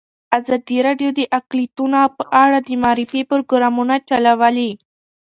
ازادي راډیو د اقلیتونه په اړه د معارفې پروګرامونه چلولي.